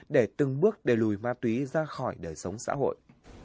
để từng bước đẩy lùi ma túy ra khỏi đời sống xã hội